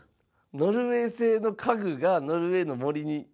ノルウェー製の家具が『ノルウェーの森』に。